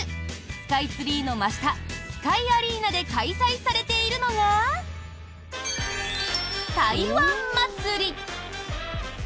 スカイツリーの真下スカイアリーナで開催されているのが台湾祭。